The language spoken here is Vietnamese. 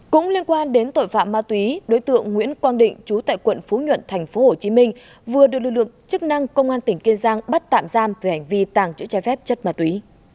cũng liên quan đến tội phạm ma túy đối tượng nguyễn quang định chú tại quận phú nhuận tp hcm vừa được lực lượng chức năng công an tỉnh kiên giang bắt tạm giam về hành vi tàng trữ trái phép chất ma túy